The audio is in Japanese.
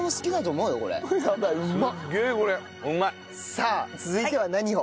さあ続いては何を？